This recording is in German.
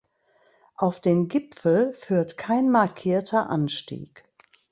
Auf den Gipfel führt kein markierter Anstieg.